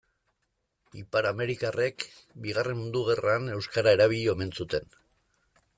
Ipar-amerikarrek Bigarren Mundu Gerran euskara erabili omen zuten.